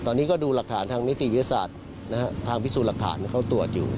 ตอนนี้ก็ดูหลักฐานทางนิติวิทยาศาสตร์นะฮะทางพิสูจน์หลักฐานเขาตรวจอยู่